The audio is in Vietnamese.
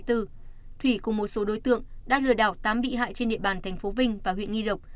thủy cùng một số đối tượng đã lừa đảo tám bị hại trên địa bàn tp vinh và huyện nghi lộc